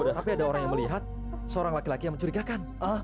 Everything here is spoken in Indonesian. tapi ada orang yang melihat seorang laki laki yang mencurigakan